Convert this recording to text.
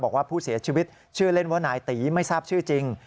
บอกว่าผู้เสียชีวิตชื่อเล่นว่านายตีไม่ทราบชื่อจริง